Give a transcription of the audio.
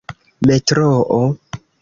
metroo